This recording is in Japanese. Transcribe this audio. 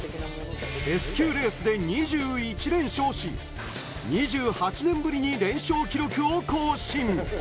Ｓ級レースで２１連勝し、２８年ぶりに連勝記録を更新。